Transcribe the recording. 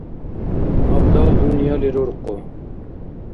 Абдал дунъяли руркъу.